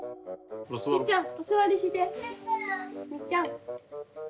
みっちゃん。